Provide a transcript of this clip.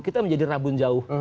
kita menjadi rabun jauh